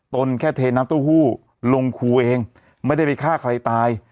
นแค่เทน้ำเต้าหู้ลงครูเองไม่ได้ไปฆ่าใครตาย